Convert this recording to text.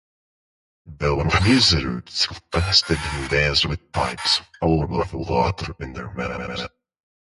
The wizards fasted and danced with pipes full of water in their mouths.